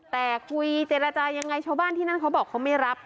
แต่คุยเจรจายังไงชาวบ้านที่นั่นเขาบอกเขาไม่รับ